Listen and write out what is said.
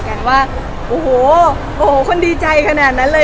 อ่อนการว่าโอ้โฮคนดีใจขนาดนั้นเลย